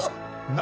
何？